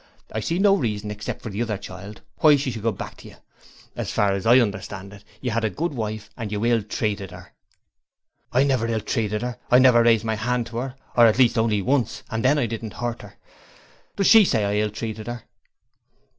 I see no reason except for the other child why she should go back to you. As far as I understand it, you had a good wife and you ill treated her.' 'I never ill treated her! I never raised my hand to her at least only once, and then I didn't hurt her. Does she say I ill treated her.'